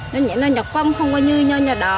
nó nhẹ nó nhọc công không có như nho đỏ